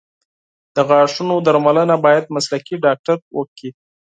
د غاښونو درملنه باید مسلکي ډاکټر وکړي.